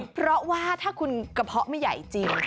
เพราะว่าถ้าคุณกระเพาะไม่ใหญ่จริง